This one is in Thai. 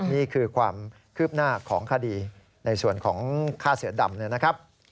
นี่คือความคืบหน้าของคดีในส่วนของฆ่าเสือดำนะครับ